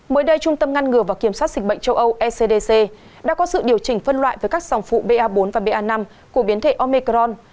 mới đây trung tâm ngăn ngừa và kiểm soát dịch bệnh châu âu ecdc đã có sự điều chỉnh phân loại với các sòng phụ ba bốn và ba năm của biến thể omecron